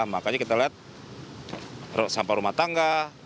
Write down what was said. makanya kita lihat sampah rumah tangga